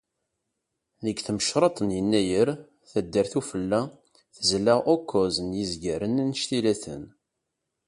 Deg tmecṛeḍt n yennayer, Taddart Ufella tezla ukkuẓ n yizgaren anect-ila-ten.